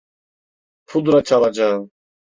Pudra çalacağım.